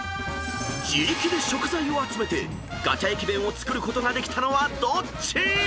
［自力で食材を集めてガチャ駅弁を作ることができたのはどっち⁉］